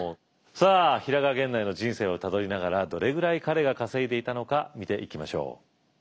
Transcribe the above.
さあ平賀源内の人生をたどりながらどれぐらい彼が稼いでいたのか見ていきましょう。